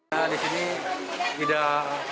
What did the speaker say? kita di sini tidak